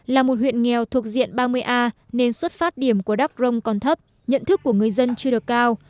là một huyện nghèo thuộc diện ba mươi a nên xuất phát điểm của đắk rông còn thấp nhận thức của người dân chưa được cao